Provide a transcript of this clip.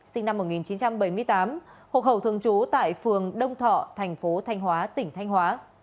sinh năm một nghìn chín trăm bảy mươi tám hộ khẩu thường trú tại phường đông thọ thành phố thanh hóa tỉnh thanh hóa